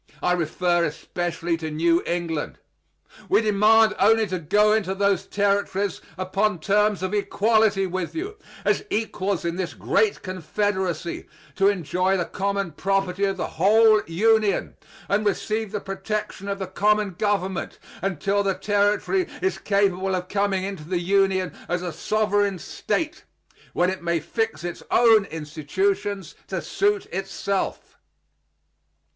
I refer especially to New England. We demand only to go into those Territories upon terms of equality with you, as equals in this great Confederacy, to enjoy the common property of the whole Union, and receive the protection of the common government, until the Territory is capable of coming into the Union as a sovereign State, when it may fix its own institutions to suit itself.